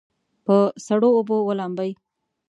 په سړو اوبو ولامبئ.